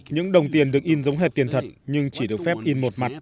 những đồng tiền được in giống hệt tiền thật nhưng chỉ được phép in một mặt để xếp